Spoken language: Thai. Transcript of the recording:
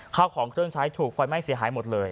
ข้าวของเครื่องใช้ถูกไฟไหม้เสียหายหมดเลย